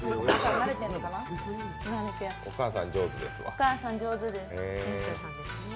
お母さん上手です。